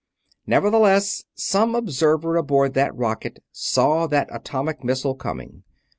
Nevertheless, some observer aboard that rocket saw that atomic missile coming.